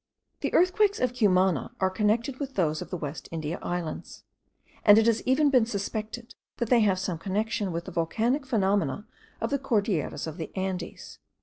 The earthquakes of Cumana are connected with those of the West India Islands; and it has even been suspected that they have some connection with the volcanic phenomena of the Cordilleras of the Andes.